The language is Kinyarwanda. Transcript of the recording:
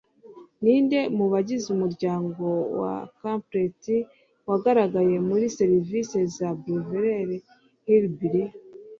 Ninde mu bagize umuryango wa Clampett wagaragaye muri serivise ya Beverley Hillbillies?